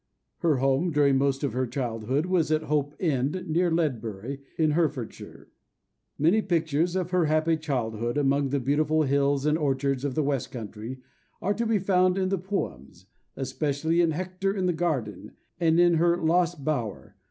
Her home, during most of her childhood, was at Hope End, near Ledbury, in Herefordshire. Many pictures of her happy childhood among the beautiful hills and orchards of the West country are to be found in the poems, especially in "Hector in the Garden" and in her "Lost Bower."